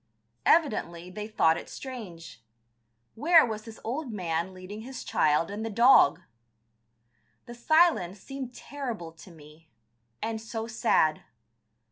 Evidently they thought it strange.... Where was this old man leading his child and the dog? The silence seemed terrible to me, and so sad.